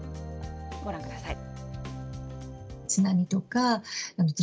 ご覧ください。